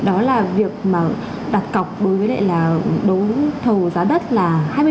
đó là việc mà đặt cọc đối với lại là đấu thầu giá đất là hai mươi